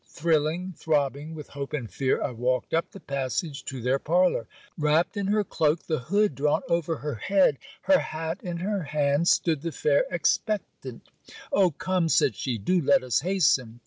Thrilling, throbbing with hope and fear, I walked up the passage to their parlour. Wrapped in her cloak, the hood drawn over her head, her hat in her hand, stood the fair expectant. 'O come,' said she, 'do let us hasten!'